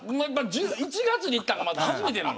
１月に行ったのは初めてなの。